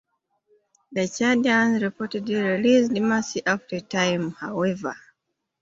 The Chadians reportedly released Massi after a time, however.